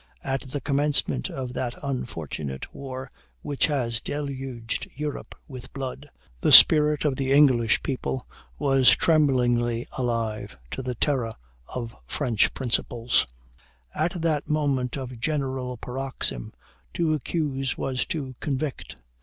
At the commencement of that unfortunate war which has deluged Europe with blood, the spirit of the English people was tremblingly alive to the terror of French principles; at that moment of general paroxysm, to accuse was to convict.